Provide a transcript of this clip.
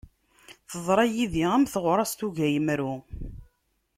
Teḍṛa yid-i, am teɣṛast ugayemru.